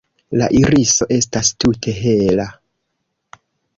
La iriso estas tute hela.